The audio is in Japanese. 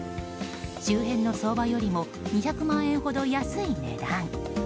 周辺の相場よりも２００万円ほど安い値段。